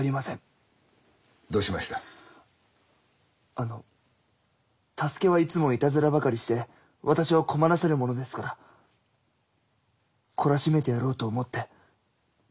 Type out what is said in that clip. あの太助はいつもいたずらばかりして私を困らせるものですから懲らしめてやろうと思ってつい。